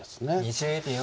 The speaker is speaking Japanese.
２０秒。